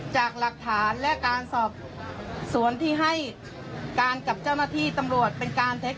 จากหลักฐานและการสอบสวนที่ให้การกับเจ้าหน้าที่ตำรวจเป็นการเท็จ